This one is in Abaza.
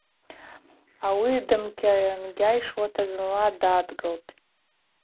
Ауи дымкьангьашуата зынла дадгылтӏ.